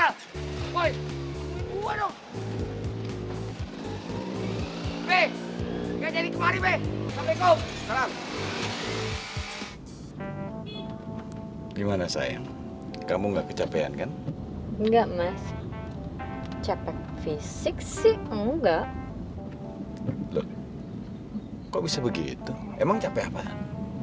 loh kok bisa begitu emang capek apaan